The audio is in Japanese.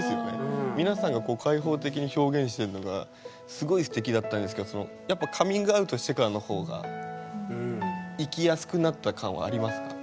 皆さんが開放的に表現してるのがすごいすてきだったんですけどやっぱカミングアウトしてからの方が生きやすくなった感はありますか？